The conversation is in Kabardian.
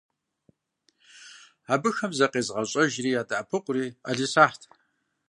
Абыхэм закъезыгъэщӏэжри ядэӏэпыкъури ӏэлисахьт.